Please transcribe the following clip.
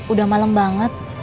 udah malem banget